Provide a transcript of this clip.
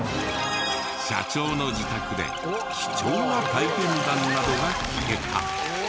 社長の自宅で貴重な体験談などが聞けた。